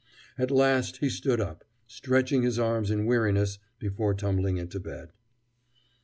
At last he stood up, stretching his arms in weariness before tumbling into bed.